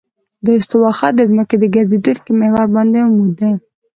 د استوا خط د ځمکې په ګرځېدونکي محور باندې عمود دی